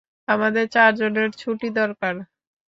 আমাদের চারজনের ছুটি দরকার।